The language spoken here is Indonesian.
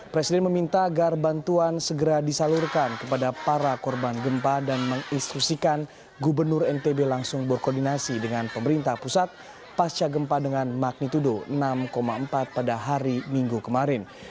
presiden meminta agar bantuan segera disalurkan kepada para korban gempa dan menginstrusikan gubernur ntb langsung berkoordinasi dengan pemerintah pusat pasca gempa dengan magnitudo enam empat pada hari minggu kemarin